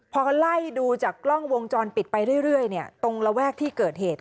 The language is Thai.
พอไล่ดูจากกล้องวงจรปิดไปเรื่อยตรงระแวกที่เกิดเหตุ